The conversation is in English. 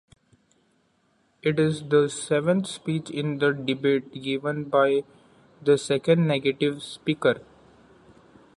It is the seventh speech in the debate, given by the second negative speaker.